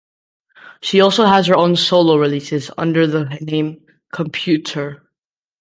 She also has her own solo releases under the name ComputeHer.